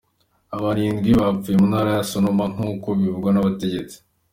Abantu indwi bapfuye mu ntara ya Sonoma, nk'uko bivugwa n'abategetsi.